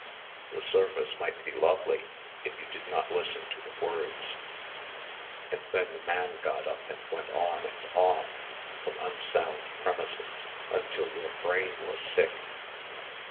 The service might be lovely, if you did not listen to the words; and then the man got up and went on and on from unsound premises until your brain was sick